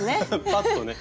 パッとね。